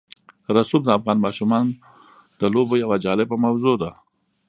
رسوب د افغان ماشومانو د لوبو یوه جالبه موضوع ده.